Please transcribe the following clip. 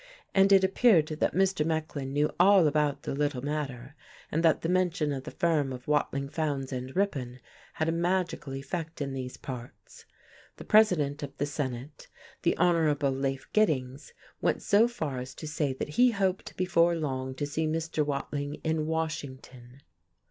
And it appeared that Mr. Mecklin knew all about the "little matter," and that the mention of the firm of Watling, Fowndes and Ripon had a magical effect in these parts. The President of the Senate, the Hon. Lafe Giddings, went so far as to say that he hoped before long to see Mr. Watling in Washington.